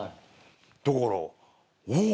だからおう！